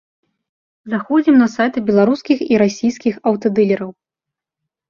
Заходзім на сайты беларускіх і расійскіх аўтадылераў.